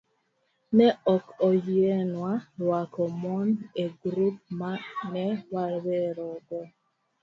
Ne ok oyienwa rwako mon e grup ma ne wawerego.